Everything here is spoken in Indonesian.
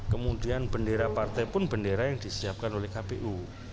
kemudian bendera partai pun bendera yang disiapkan oleh kpu